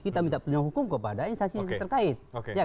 yang menghukum kepada instansi terkait